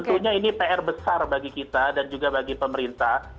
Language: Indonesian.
tentunya ini pr besar bagi kita dan juga bagi pemerintah